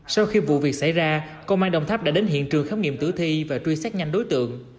sau khi vụ việc xảy ra công an đồng tháp đã đến hiện trường khám nghiệm tử thi và truy xét nhanh đối tượng